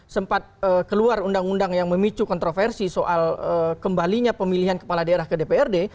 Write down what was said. sempat keluar undang undang yang memicu kontroversi soal kembalinya pemilihan kepala daerah ke dprd